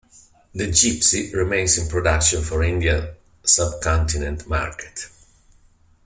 The Gypsy remains in production for the Indian Subcontinent market.